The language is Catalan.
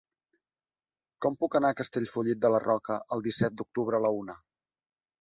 Com puc anar a Castellfollit de la Roca el disset d'octubre a la una?